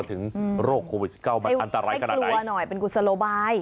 โรคโควิด๑๙มันอันตรายขนาดไหนกลัวหน่อยเป็นกุศโลบาย